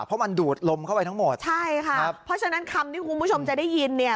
เพราะมันดูดลมเข้าไปทั้งหมดใช่ค่ะครับเพราะฉะนั้นคำที่คุณผู้ชมจะได้ยินเนี่ย